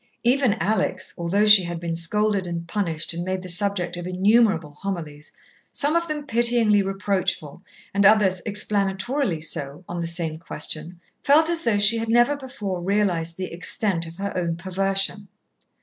Even Alex, although she had been scolded and punished and made the subject of innumerable homilies, some of them pityingly reproachful, and others explanatorily so, on the same question, felt as though she had never before realized the extent of her own perversion.